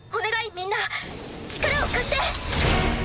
みんな力を貸して！